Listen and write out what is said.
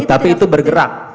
tapi itu bergerak